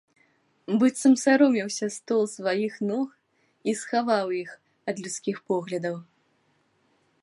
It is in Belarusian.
Быццам саромеўся стол сваіх ног і схаваў іх ад людскіх поглядаў.